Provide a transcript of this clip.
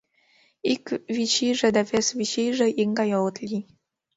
Ик вич ийже ден вес вич ийже икгай огыт лий.